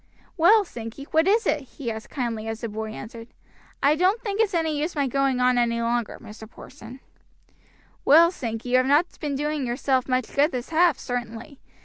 "Well, Sankey, what is it?" he asked kindly as the boy entered. "I don't think it's any use my going on any longer, Mr. Porson." "Well, Sankey, you have not been doing yourself much good this half, certainly.